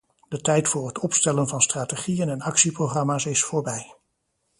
De tijd voor het opstellen van strategieën en actieprogramma's is voorbij.